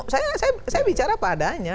saya bicara padanya